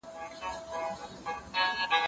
هغه وويل چي درسونه تيارول ضروري دي،